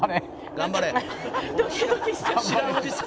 「頑張れ！」